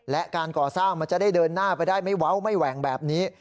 และการก่อสร้างมันจะได้เดินหน้าไปได้ไม่เว้าไม่แหว่งแบบนี้